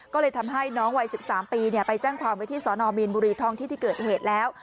ก็เลยทำให้น้องวัย๑๓ปีไปแจ้งความไว้ที่สนมีนบุรีท้องที่ที่เกิดเหตุแล้ว